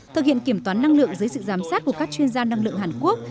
thực hiện kiểm toán năng lượng dưới sự giám sát của các chuyên gia năng lượng hàn quốc